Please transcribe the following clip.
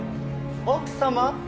奥様。